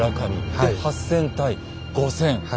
で８，０００対５，０００。